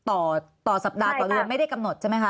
ตอนที่จะไปอยู่โรงเรียนนี้แปลว่าเรียนจบมไหนคะ